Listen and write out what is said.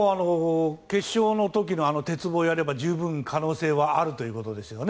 決勝の時の鉄棒をやれば十分可能性はあるということですよね。